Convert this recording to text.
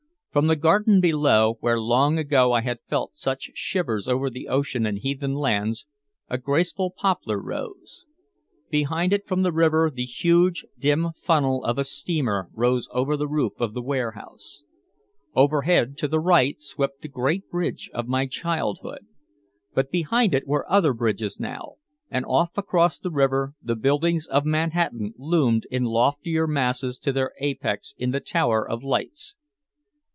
From the garden below, where long ago I had felt such shivers over the ocean and heathen lands, a graceful poplar rose. Behind it from the river the huge, dim funnel of a steamer rose over the roof of the warehouse. Overhead to the right swept the Great Bridge of my childhood. But behind it were other bridges now, and off across the river the buildings of Manhattan loomed in loftier masses to their apex in the tower of lights.